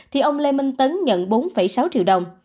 thì ông lê minh tấn nhận bốn sáu triệu đồng